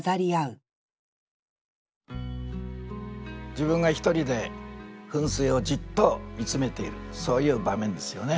自分が一人で噴水をじっと見つめているそういう場面ですよね。